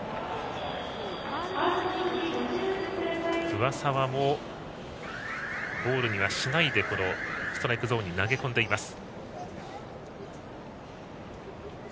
上沢もボールにはしないでストライクゾーンに投げ込んでいます。